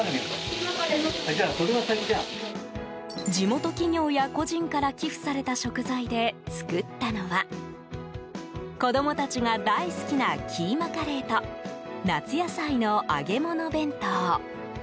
地元企業や個人から寄付された食材で作ったのは子供たちが大好きなキーマカレーと夏野菜の揚げ物弁当。